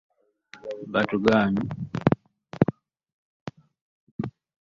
Batugaanyi okulinnya emmotoka okugenda.